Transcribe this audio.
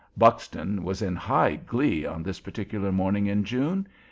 Buxton was in high glee on this particular morning in June.